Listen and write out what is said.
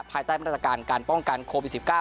ภายใต้มาตรการการป้องกันโควิด๑๙